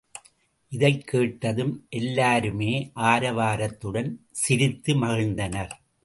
இதைக் கேட்டதும் எல்லாருமே ஆரவாரத்துடன் சிரித்து மகிழ்ந்தனர்.